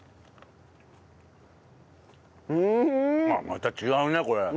また違うねこれ。